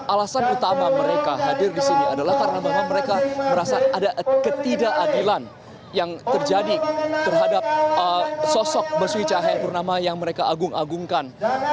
alasan utama mereka hadir di sini adalah karena bahwa mereka merasa ada ketidakadilan yang terjadi terhadap sosok basuki cahaya purnama yang mereka agung agungkan